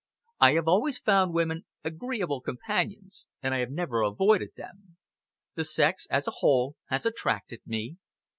I have always found women agreeable companions, and I have never avoided them. The sex, as a whole, has attracted me.